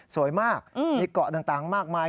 สวยมากมีเกาะต่างมากมาย